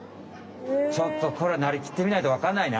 ちょっとこれはなりきってみないとわかんないな。